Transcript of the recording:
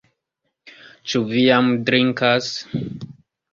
Ĉu vi jam drinkas?